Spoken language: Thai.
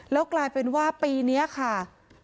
แล้วกลายเป็นว่าปีนี้ค่ะ